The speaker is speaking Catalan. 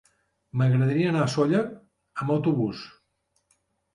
M'agradaria anar a Sóller amb autobús.